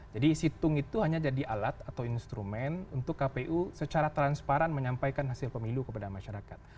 jadi situng itu hanya jadi alat atau instrumen untuk kpu secara transparan menyampaikan hasil pemilu kepada masyarakat